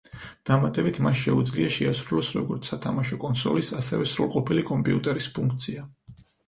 დამატებით მას შეუძლია შეასრულოს როგორც სათამაშო კონსოლის, ასევე სრულყოფილი კომპიუტერის ფუნქცია.